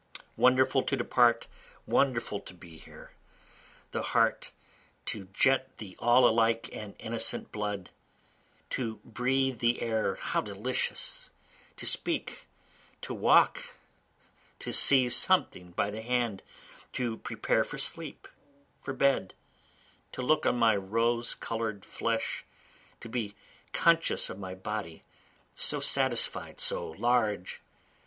Wonderful to depart! Wonderful to be here! The heart, to jet the all alike and innocent blood! To breathe the air, how delicious! To speak to walk to seize something by the hand! To prepare for sleep, for bed, to look on my rose color'd flesh! To be conscious of my body, so satisfied, so large!